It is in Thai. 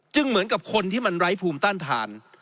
เหมือนกับคนที่มันไร้ภูมิต้านทาน